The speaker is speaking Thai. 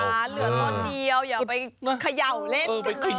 เหลือต้นเดียวอย่าไปเขย่าเล่นกันเลย